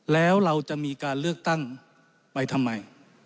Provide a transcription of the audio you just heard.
แล้วเราจะมีการเลือกตั้งไปทำไม